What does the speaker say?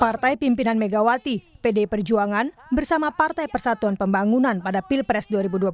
partai pimpinan megawati pdi perjuangan bersama partai persatuan pembangunan pada pilpres dua ribu dua puluh empat